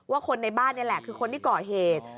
คนในบ้านนี่แหละคือคนที่ก่อเหตุ